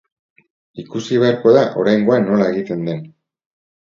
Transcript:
Ikusi beharko da oraingoan nola egiten den.